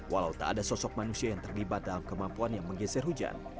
walau tak ada sosok manusia yang terlibat dalam kemampuan yang menggeser hujan